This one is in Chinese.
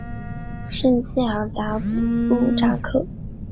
圣谢尔达布扎克。